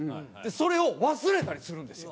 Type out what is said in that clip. それを忘れたりするんですよ。